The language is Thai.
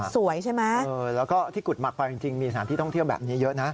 สวยใช่ไหมแล้วก็ที่กุดหมักไปจริงมีสถานที่ท่องเที่ยวแบบนี้เยอะนะ